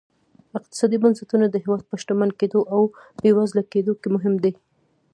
اقتصادي بنسټونه د هېواد په شتمن کېدو او بېوزله کېدو کې مهم دي.